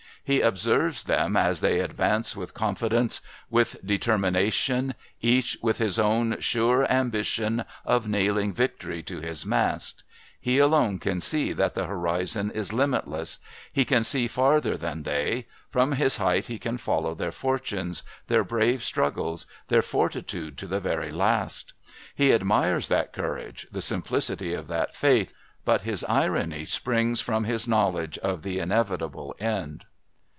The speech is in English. He observes them, as they advance with confidence, with determination, each with his own sure ambition of nailing victory to his mast; he alone can see that the horizon is limitless; he can see farther than they from his height he can follow their fortunes, their brave struggles, their fortitude to the very last. He admires that courage, the simplicity of that faith, but his irony springs from his knowledge of the inevitable end.